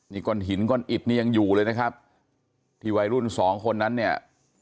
นี่ก้อนหินก้อนอิดนี่ยังอยู่เลยนะครับที่วัยรุ่นสองคนนั้นเนี่ย